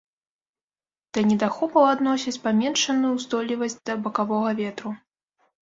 Да недахопаў адносяць паменшаную ўстойлівасць да бакавога ветру.